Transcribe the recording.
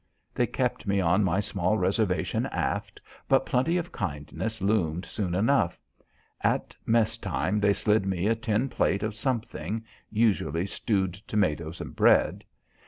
They kept me on my small reservation aft, but plenty of kindness loomed soon enough. At mess time, they slid me a tin plate of something, usually stewed tomatoes and bread.